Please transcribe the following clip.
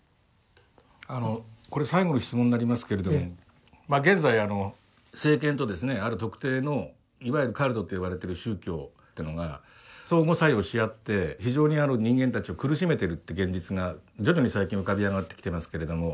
あのこれ最後の質問になりますけれども現在政権とですねある特定のいわゆるカルトと呼ばれてる宗教ってのが相互作用し合って非常に人間たちを苦しめてるって現実が徐々に最近浮かび上がってきてますけれども。